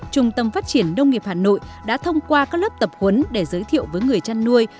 trung tâm phát triển đông nghiệp hà nội đã thông qua các lớp tập huấn để giới thiệu với người chăn nuôi